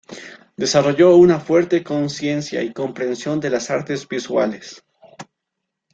Desarrolló una fuerte conciencia y comprensión de las artes visuales.